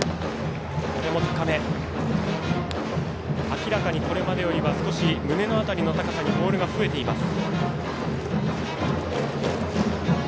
明らかにこれまでよりは胸の辺りの高さにボールが増えています。